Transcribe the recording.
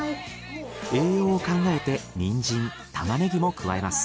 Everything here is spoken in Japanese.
栄養を考えてニンジンタマネギも加えます。